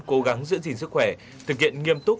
cố gắng giữ gìn sức khỏe thực hiện nghiêm túc